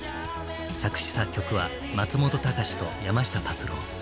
作詞作曲は松本隆と山下達郎。